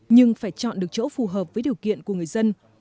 nhưng phải chọn được chỗ phù hợp với điều kiện của người dân